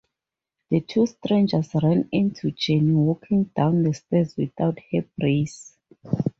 The two strangers run into Jenny walking down the stairs without her brace.